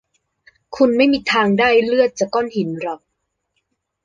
คุณไม่มีทางได้เลือดจากก้อนหินหรอก